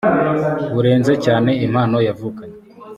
burenze cyane impano yavukanye